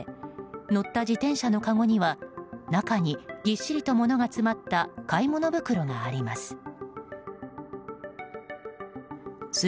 乗った自転車のかごには中にぎっしりと物が詰まった買い物袋があります。